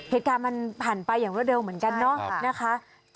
เหตุการณ์มันผ่านไปอย่างรวดเร็วเหมือนกันเนาะนะคะ